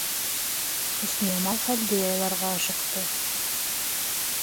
Хөсниямал, хәлде яйларға ашыҡты: